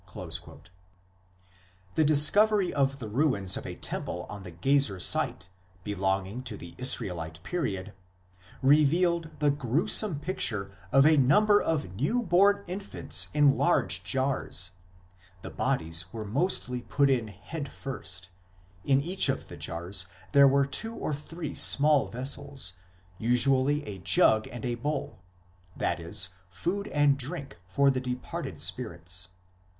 2 The discovery of the ruins of a temple on the Gezer site, belonging to the Israelite period, 8 revealed the gruesome picture of a number of new born infants in large jars ; the bodies were mostly put in head first ; in each of the jars there were two or three small vessels, usually a jug and a bowl, i.e. food and drink for the departed spirits.